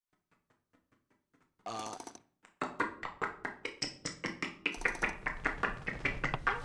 The word "over" is used to indicate during or throughout a period of time.